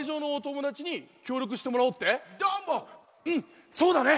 うんそうだね！